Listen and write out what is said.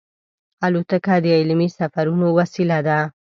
الوتکه د علمي سفرونو وسیله ده.